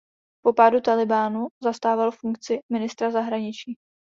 Po pádu Tálibánu zastával funkci ministra zahraničí.